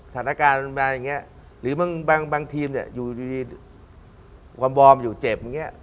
สถานการณ์มันมาอย่างนี้หรือบางทีมเนี่ยอยู่ดีความวอร์มอยู่เจ็บอย่างนี้